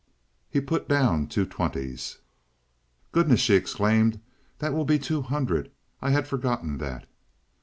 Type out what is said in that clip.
He put down two twenties. "Goodness," she exclaimed, "that will be two hundred! I had forgotten that."